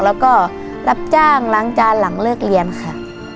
แล้วก็รับจ้างล้างจานหลังเลิกเรียนค่ะ